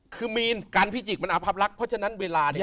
คือมีนกันพิจิกมันอภาพลักษณ์เพราะฉะนั้นเวลานี้